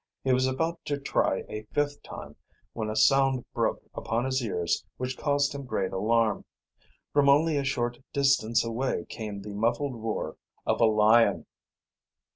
He was about to try a fifth time, when a sound broke upon his ears which caused him great alarm. From only a short distance away came the muffled roar of a lion.